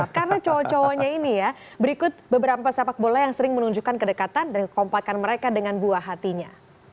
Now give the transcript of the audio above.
karena cowok cowoknya ini ya berikut beberapa pesepak bola yang sering menunjukkan kedekatan dan kompakan mereka dengan buah hatinya